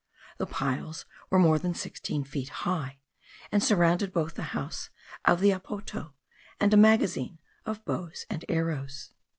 The piles were more than sixteen feet high, and surrounded both the house of the apoto and a magazine of bows and arrows.